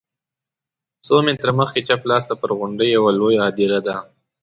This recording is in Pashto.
څو متره مخکې چپ لاس ته پر غونډۍ یوه لویه هدیره ده.